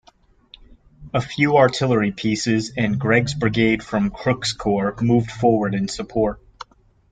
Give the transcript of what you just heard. A few artillery pieces and Gregg's brigade from Crook's corps moved forward in support.